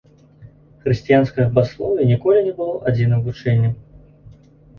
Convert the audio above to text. Хрысціянскае багаслоўе ніколі не было адзіным вучэннем.